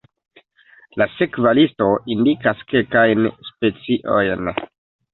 La sekva listo indikas kelkajn speciojn.